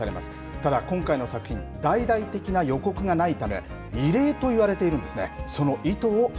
ただ今回の作品大々的な予告がないため異例と言われているんですね。